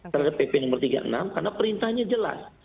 terhadap pp no tiga puluh enam karena perintahnya jelas